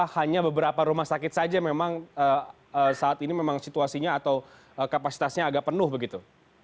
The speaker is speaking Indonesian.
hanya beberapa rumah sakit saja memang saat ini memang situasinya atau kapasitasnya agak penuh begitu